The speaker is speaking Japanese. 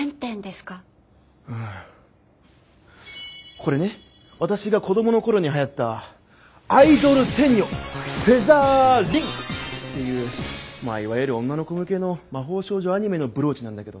これね私が子どもの頃に流行った「アイドル天女フェザー・リン」っていういわゆる女の子向けの魔法少女アニメのブローチなんだけどね。